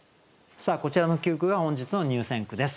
こちらの９句が本日の入選句です。